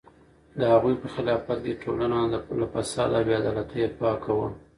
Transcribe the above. د هغوی په خلافت کې ټولنه له فساد او بې عدالتۍ پاکه وه.